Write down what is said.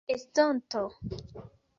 estonto